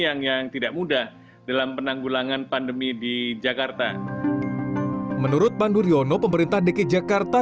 yang yang tidak mudah dalam penanggulangan pandemi di jakarta menurut banduryono pemerintah dki jakarta